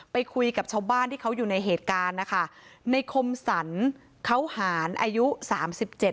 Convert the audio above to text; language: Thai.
ไปคุยกับชาวบ้านที่เขาอยู่ในเหตุการณ์นะคะในคมสรรเขาหารอายุสามสิบเจ็ด